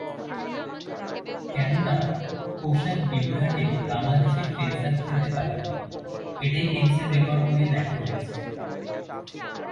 কেননা, পোশাকবিভ্রাটে বাংলাদেশের ফেন্সার খেলতে পারেননি—এটাই গেমসের রেকর্ড বইয়ে লেখা হয়েছে।